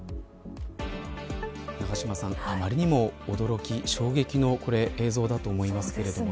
永島さん、あまりにも驚き衝撃の映像だと思いますが。